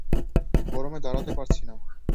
গরমে দাঁড়াতে পারছি না।